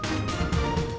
terima kasih banyak